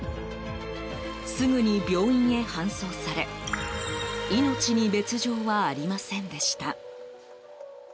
すぐに病院へ搬送され命に別状はありませんでした。